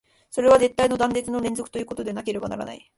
それは絶対の断絶の連続ということでなければならない。